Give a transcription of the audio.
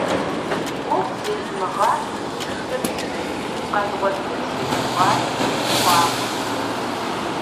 Гугъу зезмыгъэхьу сшхын къэзгъуэтын си гугъати, хъуакъым.